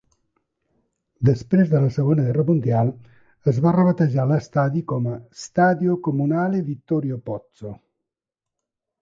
Després de la Segona Guerra Mundial, es va rebatejar l'estadi com a Stadio Comunale Vittorio Pozzo.